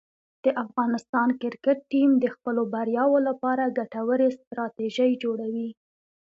د افغانستان کرکټ ټیم د خپلو بریاوو لپاره ګټورې ستراتیژۍ جوړوي.